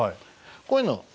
こういうの。